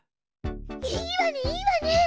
いいわねいいわね！